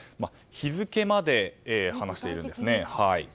日付まで話しているんですね。